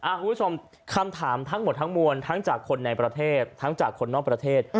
คุณผู้ชมคำถามทั้งหมดทั้งมวลทั้งจากคนในประเทศทั้งจากคนนอกประเทศ